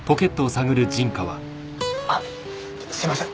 あすいません。